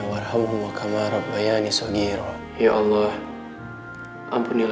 jangan pengen main sama lydia